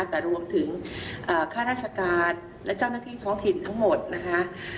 แต่รวมถึงค่าราชการและเจ้าหน้าที่ท้องถิ่นทั้งหมดนะคะ